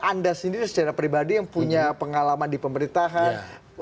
anda sendiri secara pribadi yang punya pengalaman di pemerintahan